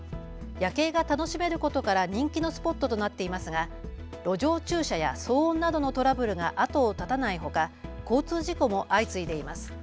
夜景が楽しめることから人気のスポットとなっていますが路上駐車や騒音などのトラブルが後を絶たないほか交通事故も相次いでいます。